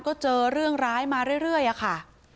ก็เจอเรื่องร้ายมาเรื่อยอะค่ะ